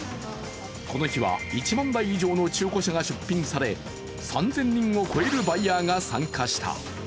この日は１万台以上の中古車が出品され３０００人を超えるバイヤーが参加した。